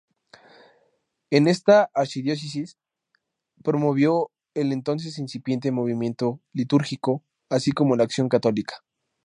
En esta archidiócesis promovió el entonces incipiente movimiento litúrgico así como la Acción Católica.